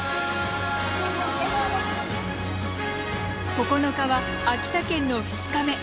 ９日は、秋田県の２日目。